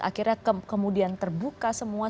akhirnya kemudian terbuka semua